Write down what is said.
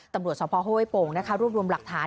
ตำรวจสมภพโฮ้วิปงศ์รูปรวมหลักฐาน